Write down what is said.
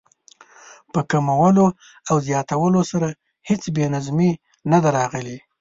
په کمولو او زیاتولو سره هېڅ بې نظمي نه ده راغلې.